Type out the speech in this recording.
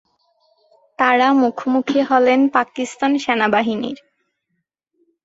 তারা মুখোমুখি হলেন পাকিস্তান সেনাবাহিনীর।